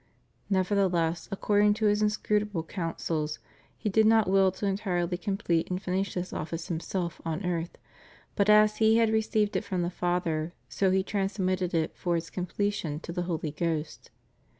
Nevertheless, according to His inscrutable counsels, He did not will to entirely complete and finish this office Himself on earth, but as He had received it from the Father, so He trans mitted it for its completion to the Holy Ghost.